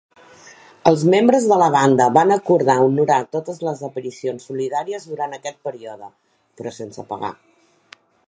Els membres de la banda van acordar honorar totes les aparicions solidàries durant aquest període, però sense pagar.